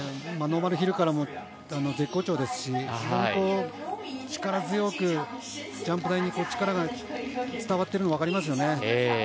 ノーマルヒルから絶好調ですし力強くジャンプ台に力が伝わっているのが分かりますよね。